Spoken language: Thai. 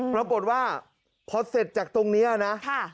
ปรากฏว่าพอเสร็จจากตรงนี้นะ